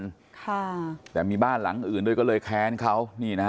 พี่แจ้งว่ามีบ้านหลังอื่นก็เลยแค้นเขา